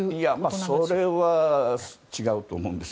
それは違うと思うんです。